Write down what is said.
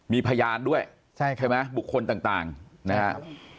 มีพยานด้วยใช่ไหมบุคคลต่างนะครับ